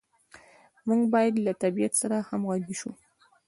موږ باید له طبیعت سره همغږي شو.